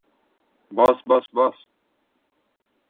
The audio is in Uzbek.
— Bos-bos-bos!